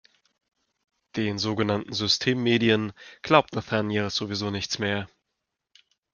Den sogenannten Systemmedien glaubt Nathanael sowieso nichts mehr.